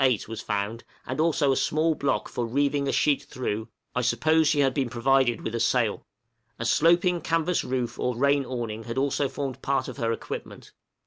8, was found, and also a small block for reeving a sheet through, I suppose she had been provided with a sail. A sloping canvas roof or rain awning had also formed part of her equipment.